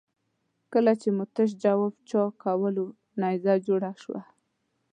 کله چې مو تش جواب چای کولو نيزه جوړه شوه.